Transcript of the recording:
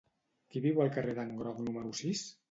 Qui viu al carrer d'en Groc número sis?